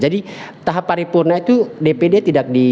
jadi tahap paripurna itu dpd tidak diberikan atau tidak gitu ya